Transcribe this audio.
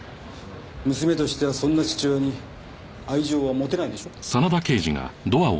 娘としてはそんな父親に愛情は持てないでしょ。